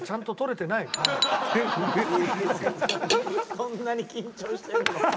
こんなに緊張してるの。